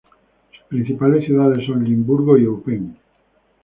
Sus principales ciudades son Limburgo y Eupen.